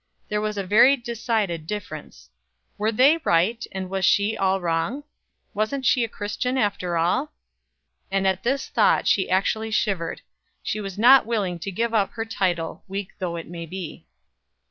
There was a very decided difference. Were they right, and was she all wrong? wasn't she a Christian after all? and at this thought she actually shivered. She was not willing to give up her title, weak though it might be.